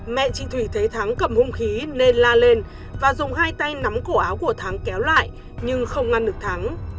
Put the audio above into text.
mẹ chị thủy thấy thắng cầm hung khí nên la lên và dùng hai tay nắm cổ áo của thắng kéo lại nhưng không ngăn được thắng